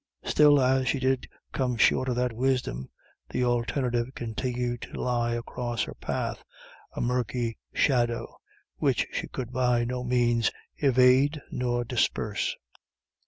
Still, as she did come short of that wisdom, the alternative continued to lie across her path, a murky shadow, which she could by no means evade nor disperse.